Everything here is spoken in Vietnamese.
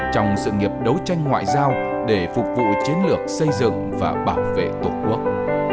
trong sự nghiệp đấu tranh ngoại giao để phục vụ chiến lược xây dựng và bảo vệ tổ quốc